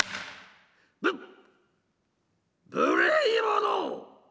「ぶ無礼者！」。